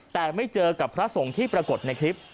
แต่ไม่เจอกับพระสงฆ์ที่ปรากฏในคลิป